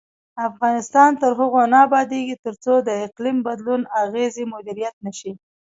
افغانستان تر هغو نه ابادیږي، ترڅو د اقلیم بدلون اغیزې مدیریت نشي.